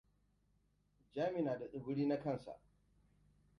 Jami na da tsubiri na kansa.